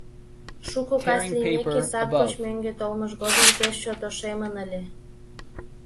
Шуко кас лиймеке сад гоч мӧҥгӧ толмыж годым пеш чот ошемын ыле.